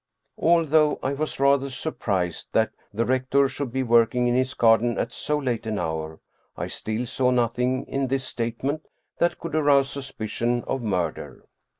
Although I was rather surprised that the rector should be working in his garden at so late an hour, I still saw nothing in this statement that could arouse suspicion of murder.